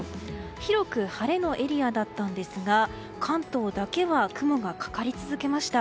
広く晴れのエリアだったんですが関東だけは雲がかかり続けました。